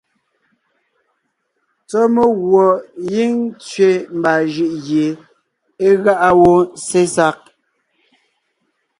Sɔ́ meguɔ gíŋ tsẅe mbaa jʉʼ gie é gáʼa wó sesag.